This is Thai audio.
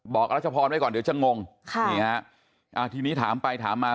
รัชพรไว้ก่อนเดี๋ยวจะงงค่ะนี่ฮะอ่าทีนี้ถามไปถามมา